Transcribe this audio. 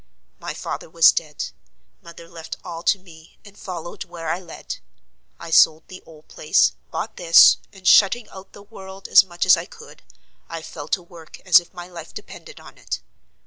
My father was dead; mother left all to me, and followed where I led. I sold the old place, bought this, and, shutting out the world as much as I could, I fell to work as if my life depended on it.